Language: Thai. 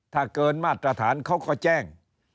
ถ้าเกินมาตรฐานเขาก็แจ้ง